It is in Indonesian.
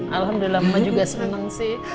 alhamdulillah mah juga senang sih